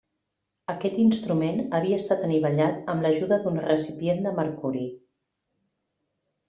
Aquest instrument havia estat anivellat amb l'ajuda d'un recipient de mercuri.